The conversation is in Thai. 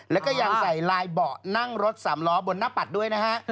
แล้วก็ยังใส่ลายเบาะนั่งรถสามล้อบนหน้าปัดด้วยนะฮะ